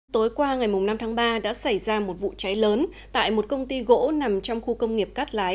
tối qua ngày năm tháng ba đã xảy ra một vụ cháy lớn tại một công ty gỗ nằm trong khu công nghiệp cát lái